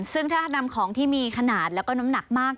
ซึ่งถ้านำของที่มีขนาดแล้วก็น้ำหนักมาก